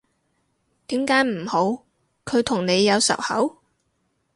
點解唔好，佢同你有仇口？